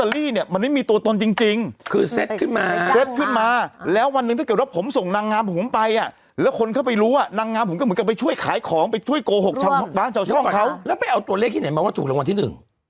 แล้วไปเอาตัวเลขที่ไหนมาว่าถูกรางวัลที่หนึ่ง